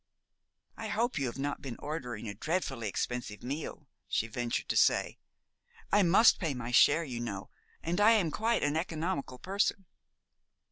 "I hope you have not been ordering a dreadfully expensive meal," she ventured to say. "I must pay my share, you know, and I am quite an economical person."